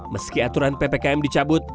meski aturan ppkm dicabut